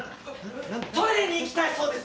トイレに行きたいそうです